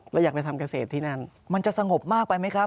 เราอยากไปทำเกษตรที่นั่นมันจะสงบมากไปไหมครับ